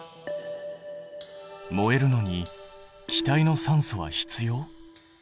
燃えるのに気体の酸素は必要？